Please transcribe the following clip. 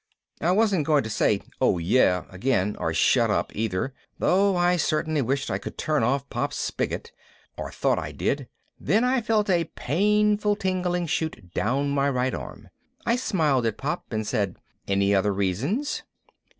I wasn't going to say "Oh yeah?" again or "Shut up!" either, though I certainly wished I could turn off Pop's spigot, or thought I did. Then I felt a painful tingling shoot down my right arm. I smiled at Pop and said, "Any other reasons?"